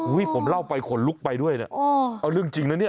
ผมเล่าไปขนลุกไปด้วยเนี่ยเอาเรื่องจริงนะเนี่ย